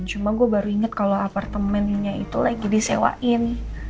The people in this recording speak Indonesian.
cuma gue baru inget kalau apartemennya itu lagi disewain